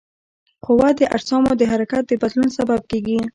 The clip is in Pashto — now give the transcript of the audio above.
قوه د اجسامو د حرکت د بدلون سبب کیږي.